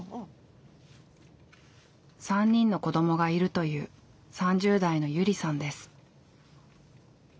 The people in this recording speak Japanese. ３人の子どもがいるという３０代のゆりさんです。